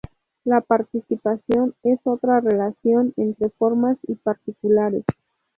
La "participación" es otra relación entre "formas" y "particulares".